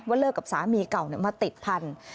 เลิกกับสามีเก่ามาติดพันธุ์